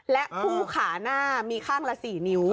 และคู่ขาหน้ามีข้างละ๔นิ้ว